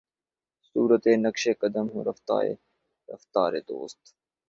صورتِ نقشِ قدم ہوں رفتۂ رفتارِ دوست